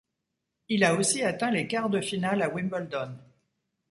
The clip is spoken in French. Il a aussi atteint les quarts de finale à Wimbledon.